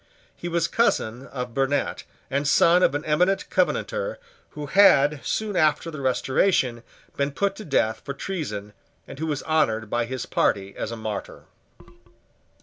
He was cousin of Burnet, and son of an eminent covenanter who had, soon after the Restoration, been put to death for treason, and who was honoured by his party as a martyr.